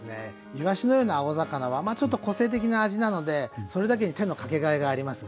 いわしのような青魚はまあちょっと個性的な味なのでそれだけで手のかけがいがありますね。